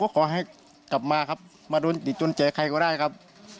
ติดจนเจอใครก็ได้ครับ